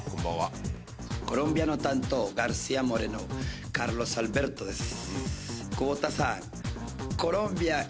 コロンビアの担当ガルシアモレノカルロスアルベルトです。